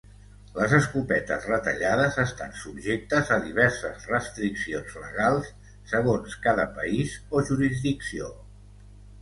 Les escopetes retallades estan subjectes a diverses restriccions legals segons cada país o jurisdicció.